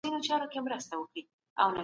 وارخطا غوندي سي